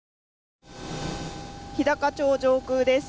日高町上空です。